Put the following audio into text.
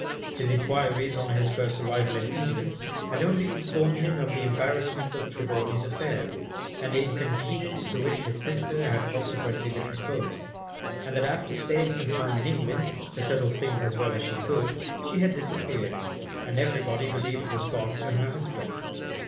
His enquiries on his first arrival in England had only informed him of the embarrassment of Trelawny's affairs, and the inconvenience to which his sister had consequently been exposed; and that after staying some time in England, to settle things as well as she could, she had disappeared, and every body believed was gone to her husband.